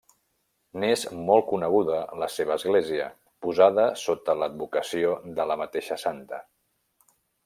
N'és molt coneguda la seva església, posada sota l'advocació de la mateixa Santa.